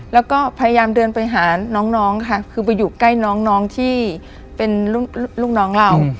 แล้วก็พยายามเดินไปหาน้องค่ะคือไปอยู่ใกล้น้องที่เป็นลูกน้องเรา